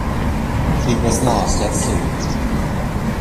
He was lost at sea.